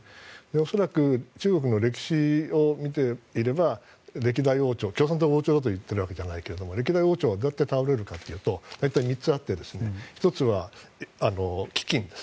恐らく、中国の歴史を見ていれば共産党が王朝だと言っているわけじゃないけど歴代王朝がどう倒れるかというと大体３つあって１つは飢饉です。